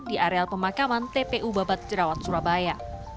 di areal pemakaman tpu babat jerawat surabaya